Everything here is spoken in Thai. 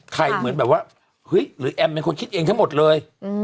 เหมือนแบบว่าเฮ้ยหรือแอมเป็นคนคิดเองทั้งหมดเลย